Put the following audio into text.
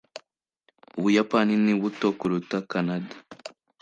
ubuyapani ni buto kuruta kanada